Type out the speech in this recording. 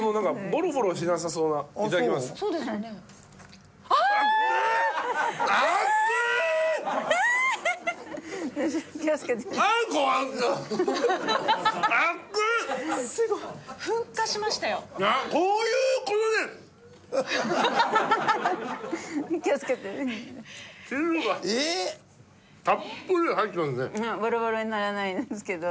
ボロボロにならないですけど。